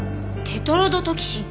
テトロドトキシン？